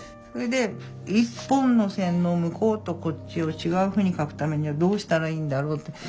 それで一本の線の向こうとこっちを違うふうに描くためにはどうしたらいいんだろうって。